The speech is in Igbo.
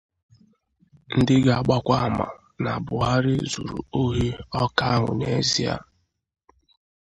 ndị ga-agbakwa àmà na Buhari zuru ohi ọka ahụ n'ezie.